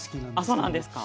あっそうなんですか？